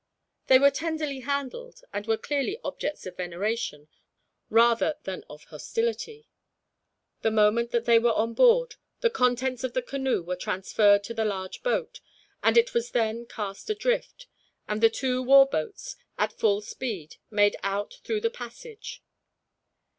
They were tenderly handled, and were clearly objects of veneration rather than of hostility. The moment that they were on board, the contents of the canoe were transferred to the large boat; and it was then cast adrift, and the two war boats, at full speed, made out through the passage.